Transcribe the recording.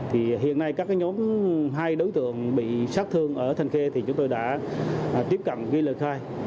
thì hiện nay các nhóm hai đối tượng bị sát thương ở thanh khê thì chúng tôi đã tiếp cận ghi lời khai